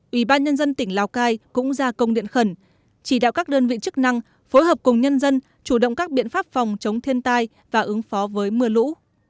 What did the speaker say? ủy ban nhân dân tỉnh lào cai cũng ra công điện khẩn chỉ đạo các đơn vị chức năng phối hợp cùng nhân dân chủ động các biện pháp phòng chống thiên tai và ứng phó với mưa lũ